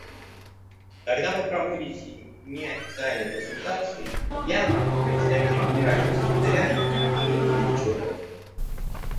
Когда вы проводите неофициальные консультации, я как представитель Генерального секретаря, не имею ничего против.